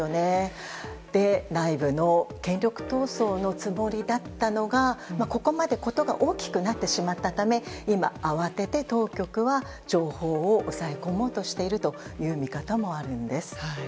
内部の権力闘争のつもりだったのがここまで、ことが大きくなってしまったため今、慌てて当局は情報を抑え込もうとしているという見方もあるんです。